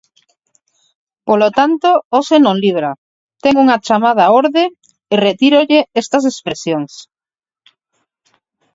Polo tanto, hoxe non libra, ten unha chamada á orde e retírolle estas expresións.